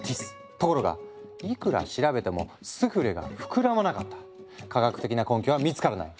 ところがいくら調べてもスフレが膨らまなかった科学的な根拠は見つからない。